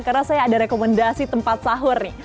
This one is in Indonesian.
karena saya ada rekomendasi tempat sahur nih